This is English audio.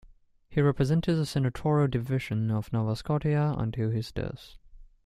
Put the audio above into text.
He represented the senatorial division of Nova Scotia until his death.